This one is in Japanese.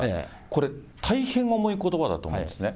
これ、大変重いことばだと思うんですね。